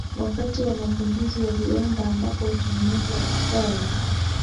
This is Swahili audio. wakati wa mapinduzi ya viwanda ambapo utumiaji wa makaa ya mawe